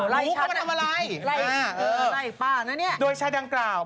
อ๋อไล่ฉันนะไล่ป้านะเนี่ยโดยชายดังกล่าว